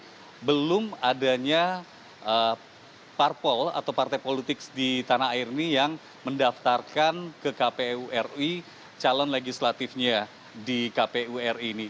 jadi belum adanya parpol atau partai politik di tanah air ini yang mendaftarkan ke kpu ri calon legislatifnya di kpu ri ini